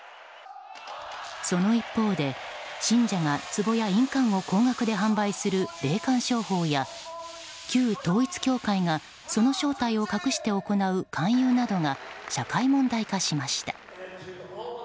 その一方で、信者がつぼや印鑑を高額で販売する霊感商法や、旧統一教会がその正体を隠して行う勧誘などが社会問題化しました。